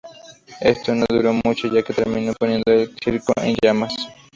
Esto no duró mucho, ya que terminó poniendo el circo en llamas.